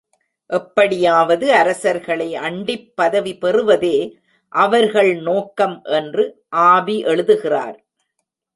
எப்படியாவது அரசர்களை அண்டிப் பதவி பெறுவதே அவர்கள் நோக்கம் என்று, ஆபி எழுதுகிறார்.